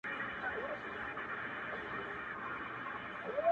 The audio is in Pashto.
زور لري چي ځان کبابولای سي -